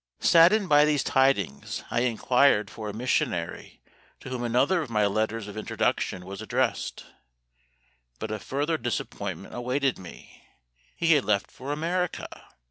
Saddened by these tidings, I inquired for a missionary to whom another of my letters of introduction was addressed; but a further disappointment awaited me he had left for America.